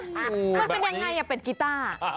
มันเป็นยังไงเป็นกีต้า